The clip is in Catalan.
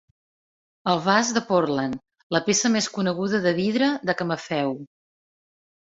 El vas de Portland, la peça més coneguda de vidre de camafeu.